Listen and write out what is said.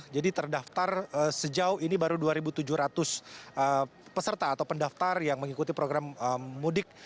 jadi terdaftar sejauh ini baru dua tujuh ratus peserta atau pendaftar yang mengikuti program mudik